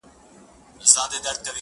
بیا میندل یې په بازار کي قیامتي وه-